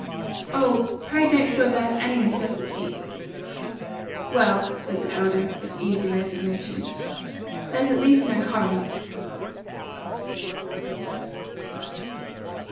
"Oh, pray don't feel that there's any necessity." "Well," said the elder, with easy resignation, "there's at least no hurry."